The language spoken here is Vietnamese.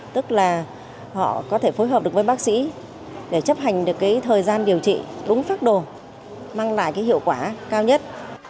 tức là họ có thể phối hợp được với bác sĩ để chấp hành được cái thời gian điều trị đúng pháp đồ mang lại cái hiệu quả cao nhất